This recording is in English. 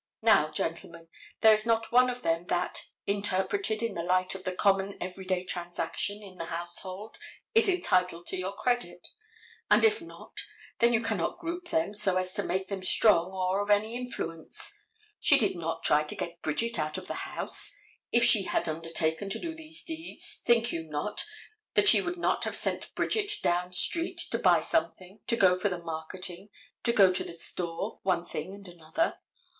Now, gentlemen, there is not one of them that, interpreted in the light of the common every day transactions in the household, is entitled to your credit. And if not, then you cannot group them so as to make them strong or of any influence. She did not try to get Bridget out of the house. If she had undertaken to do these deeds, think you not that she would not have sent Bridget down street to buy something, to go for the marketing, to go to the store, one thing and another?